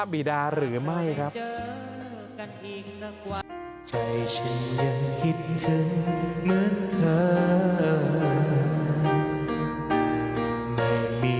บีดาหรือไม่ครับ